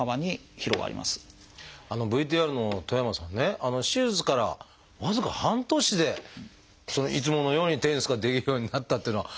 ＶＴＲの戸山さんね手術から僅か半年でいつものようにテニスができるようになったっていうのはすごいですね。